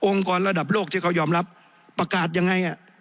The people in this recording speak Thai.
กรระดับโลกที่เขายอมรับประกาศยังไง